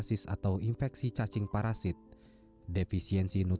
satwa ini melintas pada titik yang sama